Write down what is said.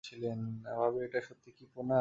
ভাবি এটা সত্যি কী পুনাম?